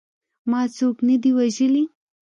ما څوک نه دي وژلي.